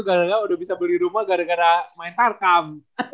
gara gara udah bisa beli rumah gara gara main tarkam